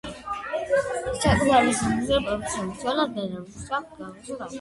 საკუთარი პოლარული მოგზაურობისას მიღებული მასალების საფუძველზე განავითარა მოძრავი ყინულების თეორია.